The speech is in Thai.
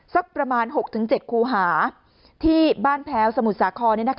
สักประมาณ๖๗คูหาที่บ้านแพ้วสมุทรสาคร